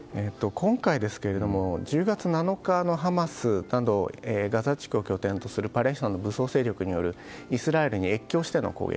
今回、１０月７日のハマスなどガザ地区を拠点とするパレスチナの武装勢力によるイスラエルに越境しての攻撃。